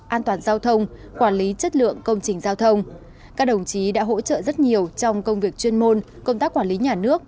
an toàn giao thông quản lý chất lượng công trình giao thông các đồng chí đã hỗ trợ rất nhiều trong công việc chuyên môn công tác quản lý nhà nước